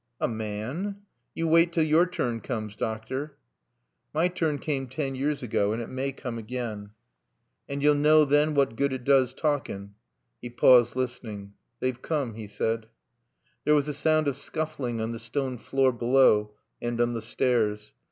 "A ma an? You wait till yor turn cooms, doctor." "My turn came ten years ago, and it may come again." "And yo'll knaw then what good it doos ta alkin'." He paused, listening. "They've coom," he said. There was a sound of scuffling on the stone floor below and on the stairs.